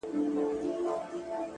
نه چي اختر نمانځلی نه چي پسرلی نمانځلی’